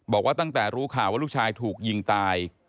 บอกว่าตั้งแต่รู้ข่าวว่าลูกชายถูกยิงตาย